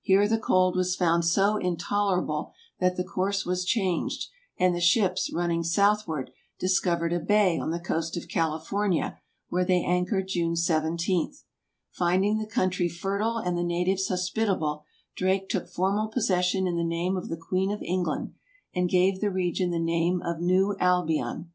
Here the cold was found so intolerable that the course was changed and the ships, running southward, dis covered a bay on the coast of California, where they anchored June 17. Finding the country fertile and the natives hos pitable, Drake took formal possession in the name of the Queen of England, and gave the region the name of New Albion.